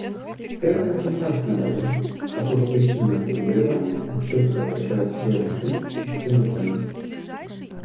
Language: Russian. Это также нравственная проблема, поскольку причины этого заболевания отчетливо отражают серьезный кризис системы ценностей.